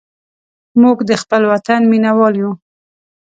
موږ د خپل وطن مینهوال یو.